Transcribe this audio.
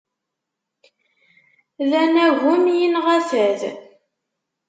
D anagem, yinɣa fad.